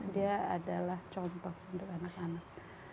dia adalah contoh untuk anak anak